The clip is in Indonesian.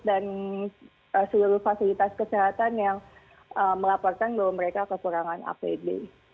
dan seluruh fasilitas kesehatan yang melaporkan bahwa mereka kekurangan apd